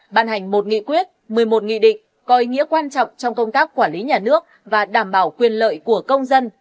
bàn hành một nghị quyết một mươi một nghị định có ý nghĩa quan trọng trong công tác quản lý nhà nước và đảm bảo quyền lợi của công dân